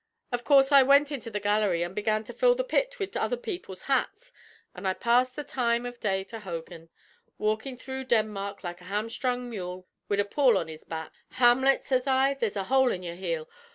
Av course I wint into the gallery an' began to fill the pit wid other people's hats, an' I passed the time av day to Hogin walkin' through Denmark like a hamstrung mule wid a pall on his back. 'Hamlut,' sez I, 'there's a hole in your heel.